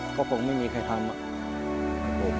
ก็คงไม่มีใครทำ